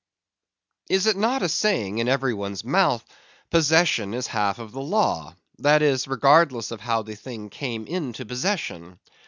Is it not a saying in every one's mouth, Possession is half of the law: that is, regardless of how the thing came into possession?